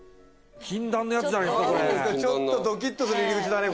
ちょっとドキッとする入り口だね